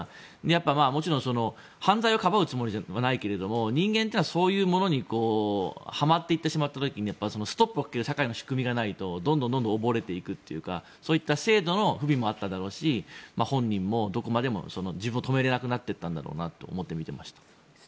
やっぱりもちろん犯罪をかばうつもりじゃないけど人間というのはそういうものにはまっていてしまった時にストップをかける社会の仕組みがないとどんどん溺れていくというかそういった制度の不備もあっただろうし本人もどこまでも自分を止められなくなっていったんだろうなと思って見ていました。